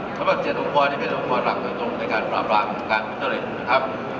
เพราะว่าเจ็ดโรงพยาบาลนี่เป็นโรงพยาบาลหลักโดยตรงในการปราบราบการเจริตนะครับ